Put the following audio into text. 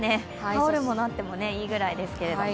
羽織るものがあってもいいぐらいですけども。